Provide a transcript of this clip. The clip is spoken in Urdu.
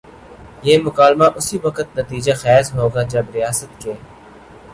یہ مکالمہ اسی وقت نتیجہ خیز ہو گا جب ریاست کے